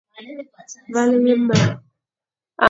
Vale ye ma.